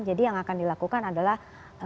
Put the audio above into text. jadi yang akan dilakukan adalah